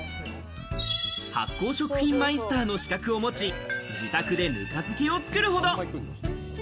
発酵食品マイスターの資格を持ち、自宅で、ぬか漬けを作るほど。